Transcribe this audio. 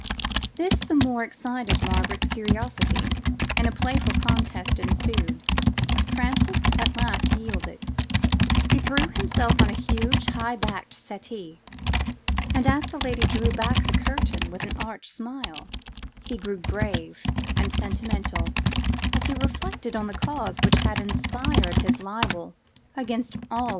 "This the more excited Margaret's curiosity, and a playful contest ensued: Francis at last yielded: he threw himself on a huge high backed settee; and as the lady drew back the curtain with an arch smile, he grew grave and sentimental, as he reflected on the cause which had inspired his libel against all womankind.